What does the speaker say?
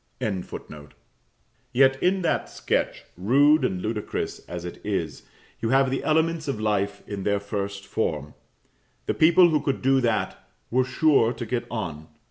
] Yet, in that sketch, rude and ludicrous as it is, you have the elements of life in their first form. The people who could do that were sure to get on.